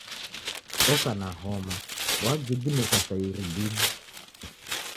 Oka na homa, wagiginika sa irigini.